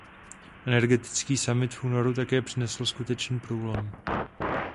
Energetický summit v únoru také přinesl skutečný průlom.